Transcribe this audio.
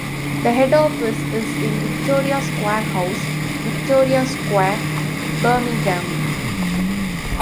The head office is in Victoria Square House, Victoria Square, Birmingham.